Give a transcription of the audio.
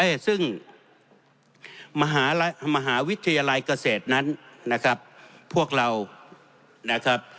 เอ่ยซึ่งมหาวิทยาลัยเกษตรนั้นนะครับพวกเรานะครับ